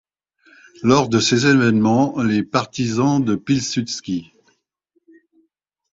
Lors de ces évènements, les partisans de Piłsudski.